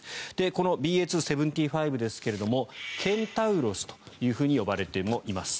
このＢＡ．２．７５ですがケンタウロスとも呼ばれています。